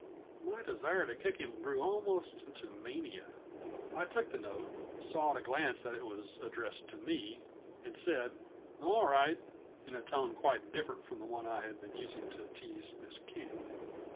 My desire to kick him grew almost into mania. I took the note, saw at a glance that it was addressed to me, and said: "All right," in a tone quite different from the one I had been using to tease Miss King.